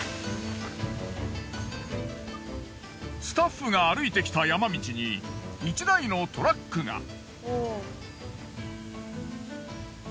スタッフが歩いてきた山道に１台のトラックが。